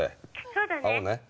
☎そうだね。